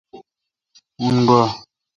ان گا۔